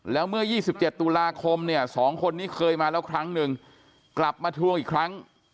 แล้วเมื่อ๒๗ตุลาคมเนี่ย๒คนนี้เคยมาแล้วครั้งหนึ่งกลับมาทวงอีกครั้ง